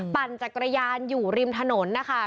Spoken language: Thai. ปั่นจักรยานอยู่ริมถนนนะคะ